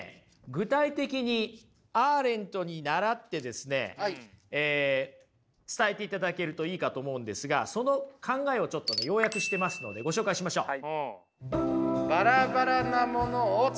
具体的にアーレントに倣ってですね伝えていただけるといいかと思うんですがその考えをちょっと要約してますのでご紹介しましょう。